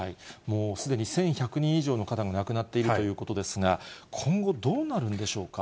すでに１１００人以上の方が亡くなっているということですが、今後、どうなるんでしょうか。